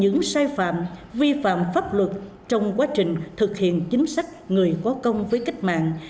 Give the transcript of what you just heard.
những sai phạm vi phạm pháp luật trong quá trình thực hiện chính sách người có công với cách mạng